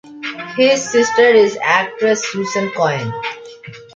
His sister is actress Susan Coyne.